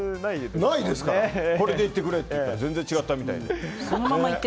これでいってくれって言ったら全然違ったみたいで。